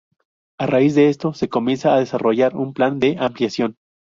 A raíz de esto, se comienza a desarrollar un plan de ampliación.